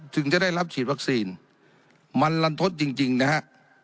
จะได้รับฉีดวัคซีนมันลันทดจริงนะฮะ